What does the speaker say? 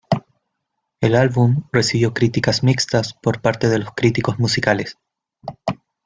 El álbum recibió críticas mixtas por parte de los críticos musicales.